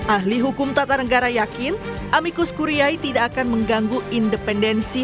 ahli hukum tata negara yakin amikus kuriyai tidak akan mengganggu independensi